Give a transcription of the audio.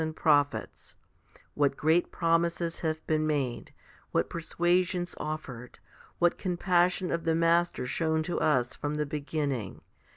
HOMILY IV 31 and prophets what great promises have been made, what persuasions offered, what compassion of the Master shown to us from the beginning